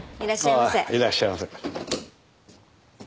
ああいらっしゃいませ。